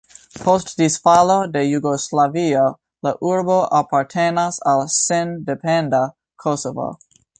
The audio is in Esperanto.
Post disfalo de Jugoslavio la urbo apartenas al sendependa Kosovo.